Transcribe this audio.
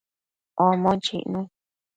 Omon chicnu